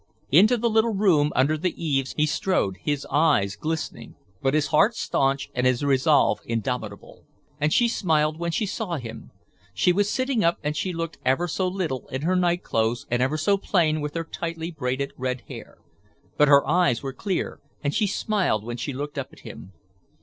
Into the little room under the eaves he strode, his eyes glistening, but his heart staunch and his resolve indomitable. And she smiled when she saw him. She was sitting up and she looked ever so little in her nightclothes and ever so plain with her tightly braided red hair. But her eyes were clear and she smiled when she looked at him....